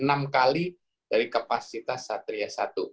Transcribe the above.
enam kali dari kapasitas satria satu